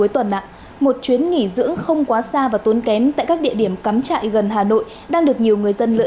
trong thời gian diễn ra